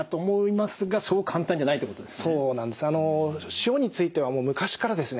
塩については昔からですね